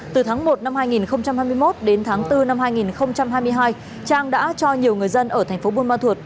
từ tháng một năm hai nghìn hai mươi một đến tháng bốn năm hai nghìn hai mươi hai trang đã cho nhiều người dân ở thành phố buôn ma thuột